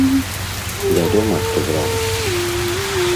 Вядома, што з радасцю.